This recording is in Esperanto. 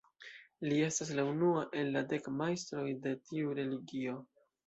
Li estas la unua el la dek majstroj de tiu religio.